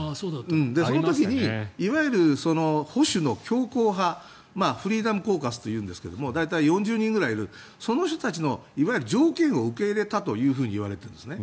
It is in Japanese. その時にいわゆる保守の強硬派フリーダム・コーカスというんですけれども大体４０人ぐらいいるその人たちの条件を受け入れたといわれているんですね。